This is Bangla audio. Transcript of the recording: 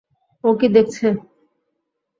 ও কি দেখছে?